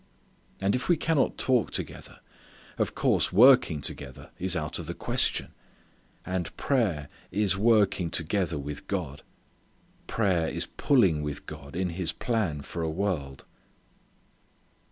And if we cannot talk together of course working together is out of the question. And prayer is working together with God. Prayer is pulling with God in His plan for a world.